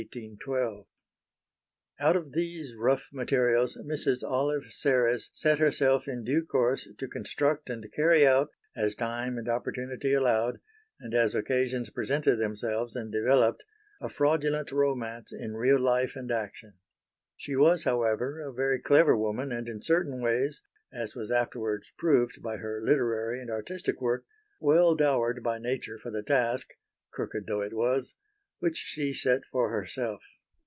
[Illustration: OLIVIA SERRES] Out of these rough materials Mrs. Olive Serres set herself in due course to construct and carry out, as time and opportunity allowed, and as occasions presented themselves and developed, a fraudulent romance in real life and action. She was, however, a very clever woman and in certain ways as was afterwards proved by her literary and artistic work well dowered by nature for the task crooked though it was which she set for herself.